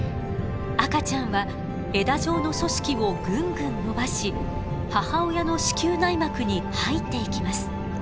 赤ちゃんは枝状の組織をぐんぐん伸ばし母親の子宮内膜に入っていきます。